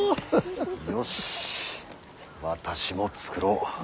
よし私も作ろう。